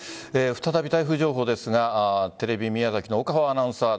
再び台風情報ですがテレビ宮崎のオカファーアナウンサー